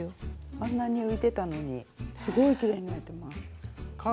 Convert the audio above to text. あんなに浮いてたのにすごいきれいに縫えてます。